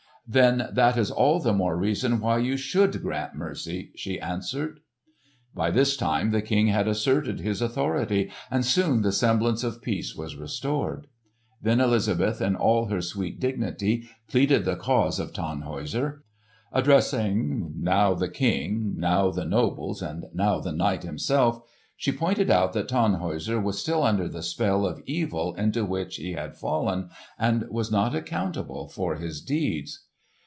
"Then that is all the more reason why you should grant mercy," she answered. By this time the King had asserted his authority, and soon the semblance of peace was restored. Then Elizabeth in all her sweet dignity pleaded the cause of Tannhäuser. Addressing now the King, now the nobles, and now the knight himself, she pointed out that Tannhäuser was still under the spell of evil into which he had fallen, and was not accountable for his deeds.